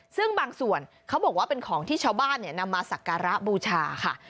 ซึ่งบางส่วนเขาบอกว่าเป็นของที่ชาวบ้านนำมาสักการะบูชาค่ะ